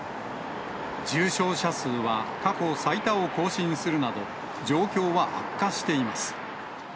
重症者数は過去最多を更新するなど、状況は悪化しています。